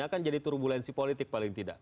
akan jadi turbulensi politik paling tidak